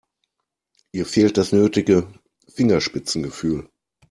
Ihr fehlt das nötige Fingerspitzengefühl.